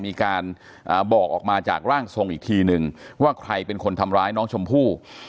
มีการบอกออกมาจากร่างทรงอีกทีนึงว่าใครเป็นคนทำร้ายน้องชมพู่